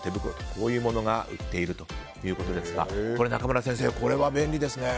こういうものが売っているということですが中村先生、これは便利ですね。